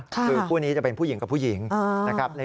คือคู่นี้จะเป็นผู้หญิงกับผู้หญิงนะครับ